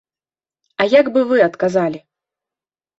А як бы вы адказалі?